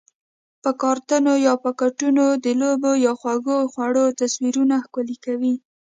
په کارتنونو یا پاکټونو د لوبو یا خوږو خوړو تصویرونه ښکلي کوي؟